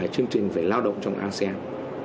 chương trình về lao động trong asean